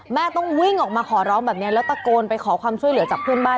ต้องวิ่งออกมาขอร้องแบบนี้แล้วตะโกนไปขอความช่วยเหลือจากเพื่อนบ้าน